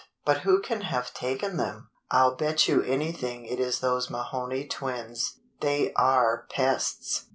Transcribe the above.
But who can have taken them.? I'll bet you anything it is those Mahoney twins. They are pests!